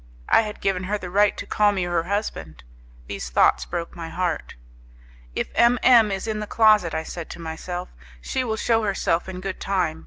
I had given her the right to call me her husband. These thoughts broke my heart. If M M is in the closet, said I to myself, she will shew herself in good time.